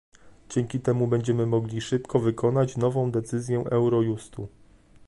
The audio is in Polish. Dzięki temu będziemy mogli szybko wykonać nową decyzję Eurojustu